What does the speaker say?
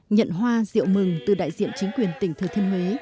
nhận hoa rượu mừng từ đại diện chính quyền tỉnh thừa thiên huế